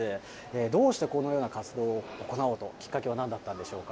どうしてこのような活動を行おうと、きっかけはなんだったんでしょうか。